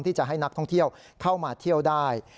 ที่จะให้นักท่องเที่ยวเข้ามาเที่ยวได้